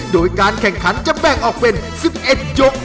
โดยการแข่งขันจะแบ่งออกเป็น๑๑ยก